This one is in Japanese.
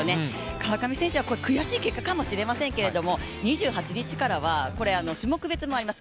川上選手は悔しい結果かもしれませんけど２８日からは種目別もあります。